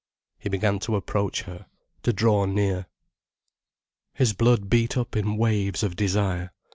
He began to approach her, to draw near. His blood beat up in waves of desire.